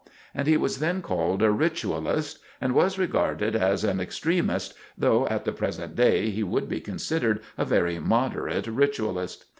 And he was then called a "Ritualist," and was regarded as an extremist though at the present day he would be considered a very moderate ritualist.